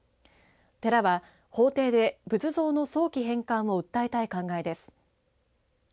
寺は法廷で仏像の早期返還を訴えたい考えです。